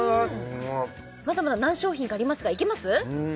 まだまだ何商品かありますがいけます？